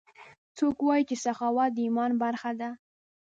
څوک وایي چې سخاوت د ایمان برخه ده